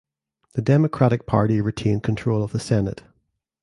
The Democratic Party retained control of the Senate.